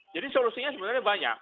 jadi solusinya sebenarnya banyak